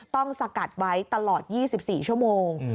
สกัดไว้ตลอด๒๔ชั่วโมง